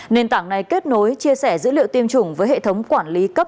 nền tảng này kết nối chia sẻ dữ liệu tiêm chủng với hệ thống quản lý cấp